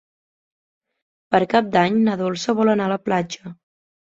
Per Cap d'Any na Dolça vol anar a la platja.